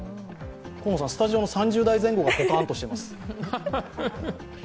河野さん、スタジオの３０代前後がポカンとしてます。